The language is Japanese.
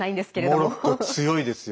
モロッコ、強いですよ。